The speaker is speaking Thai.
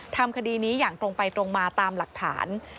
ทำคดีนี้อย่างตรงไปตรงมาตามหลักฐาน